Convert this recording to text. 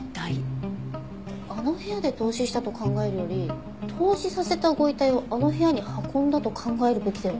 あの部屋で凍死したと考えるより凍死させたご遺体をあの部屋に運んだと考えるべきでは？